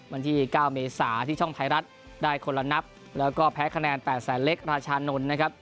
วันที่๙เมษาที่ช่องไทยรัฐได้คนละนับแล้วก็แพ้คะแนน๘แสนเล็กราชานนท์นะครับ